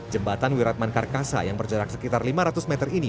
jembatan wiratman karkasa yang berjarak sekitar lima ratus meter ini